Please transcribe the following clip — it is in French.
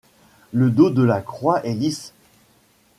Le dos de la croix est lisse.